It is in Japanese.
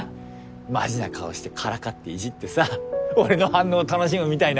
マジな顔してからかっていじってさ俺の反応楽しむみたいな。